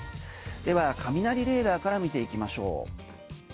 では、雷レーダーから見ていきましょう。